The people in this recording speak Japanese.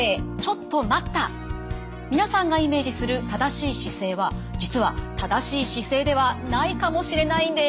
皆さんがイメージする正しい姿勢は実は正しい姿勢ではないかもしれないんです。